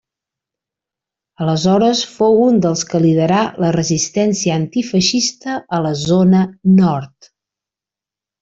Aleshores fou un dels que liderà la resistència antifeixista a la zona Nord.